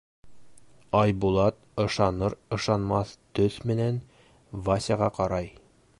Айбулат ышаныр-ышанмаҫ төҫ менән Васяға ҡарай.